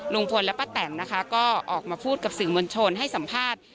ลุงพลและป้าแตนนะคะก็ออกมาพูดกับสื่อมวลชนให้สัมภาษณ์